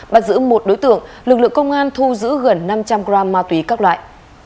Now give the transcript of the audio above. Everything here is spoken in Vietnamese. bắt giữ một đối tượng lực lượng công an thu giữ gần năm trăm linh gram ma túy các loại